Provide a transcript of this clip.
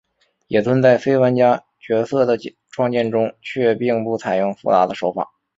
野村在非玩家角色的创建中却并不采用复杂的手法。